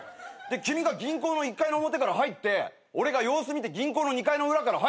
君が銀行の１階の表から入って俺が様子見て銀行の２階の裏から入るって言ったじゃん。